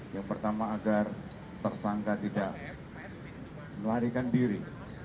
yang pertama agar tersangka tidak melarikan diri